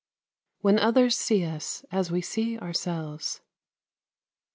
WHEN OTHERS SEE US AS WE SEE OURSELVES!